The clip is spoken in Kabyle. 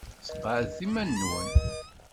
Sqeɛdet iman-nwen.